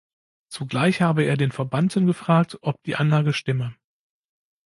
Zugleich habe er den Verbannten gefragt, ob die Anlage stimme.